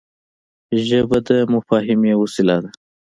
ژبه د مفاهمې وسیله ده